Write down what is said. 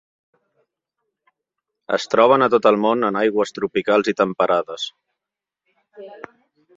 Es troben a tot el món en aigües tropicals i temperades.